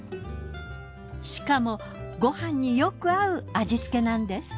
しかもご飯によく合う味付けなんです。